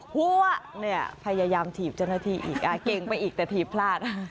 หัวเนี่ยพยายามถีบเจ้าหน้าที่อีกเก่งไปอีกแต่ถีบพลาด